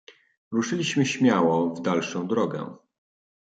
"Ruszyliśmy śmiało w dalszą drogę."